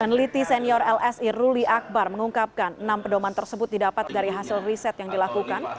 peneliti senior lsi ruli akbar mengungkapkan enam pedoman tersebut didapat dari hasil riset yang dilakukan